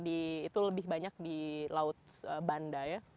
itu lebih banyak di laut banda ya